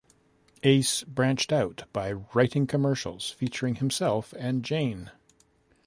Ace branched out by writing commercials, featuring himself and Jane.